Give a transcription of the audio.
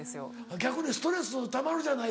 逆にストレスたまるじゃないですか。